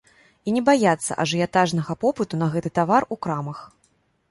І не баяцца ажыятажнага попыту на гэты тавар у крамах.